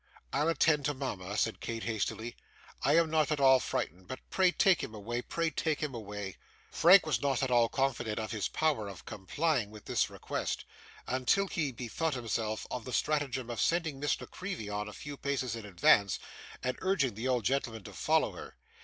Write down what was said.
'I'll attend to mama,' said Kate, hastily; 'I am not at all frightened. But pray take him away: pray take him away!' Frank was not at all confident of his power of complying with this request, until he bethought himself of the stratagem of sending Miss La Creevy on a few paces in advance, and urging the old gentleman to follow her.